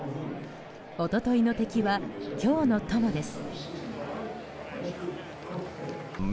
一昨日の敵は今日の友です。